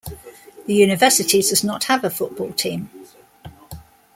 The university does not have a football team.